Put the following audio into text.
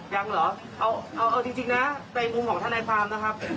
ยังเหรอเอาจริงนะในมุมของทนายความนะครับ